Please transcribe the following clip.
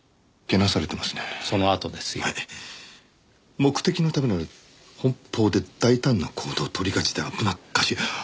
「目的のためなら奔放で大胆な行動をとりがちで危なっかしい」